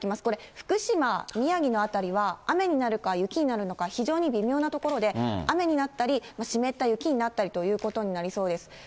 これ、福島、宮城の辺りは雨になるか雪になるのか、非常に微妙なところで、雨になったり、湿った雪になったりということになりそうです。